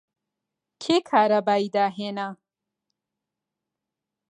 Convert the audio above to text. کێ کارەبای داهێنا؟